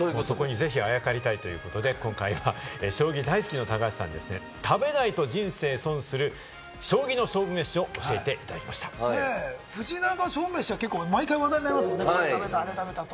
そこにぜひあやかりたいということで今回、将棋大好きの高橋さんに食べないと人生損する将棋の勝負メシを教藤井七冠の勝負メシは毎回話題になりますもんね。